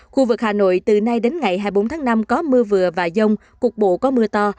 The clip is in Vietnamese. khu vực hà nội từ nay đến ngày hai mươi bốn tháng năm có mưa vừa và dông cục bộ có mưa to